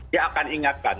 dia akan ingatkan